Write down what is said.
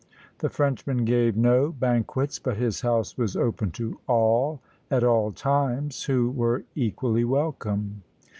The Frenchman gave no banquets, but his house was open to all at all times, who were equally welcome.